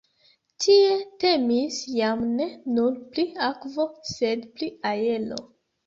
Tie temis jam ne nur pri akvo, sed pri aero.